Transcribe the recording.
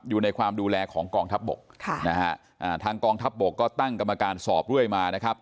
อยู่ในความดูแลของกองทัพบกค่ะนะฮะทางกองทัพบกก็ตั้งกรรมการสอบเรื่อยมานะครับ